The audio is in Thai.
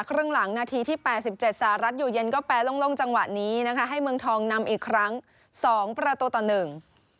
ครึ่งหลังนาทีที่๘๗สารัสอยู่เย็นก็แปลลงจังหวะนี้นะคะให้เมืองทองนำอีกครั้ง๒ประตูต่อ๑